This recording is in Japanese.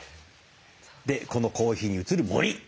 でこのコーヒーに映る森。